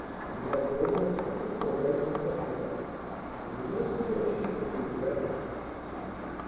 We have no more cutlets or legs of mutton left, and we must kill a sheep or two directly."